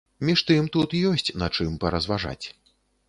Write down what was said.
Між тым, тут ёсць на чым паразважаць.